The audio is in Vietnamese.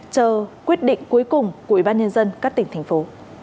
chờ quyết định cuối cùng của ủy ban nhân dân các tỉnh thành phố